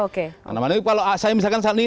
kalau saya misalkan saat ini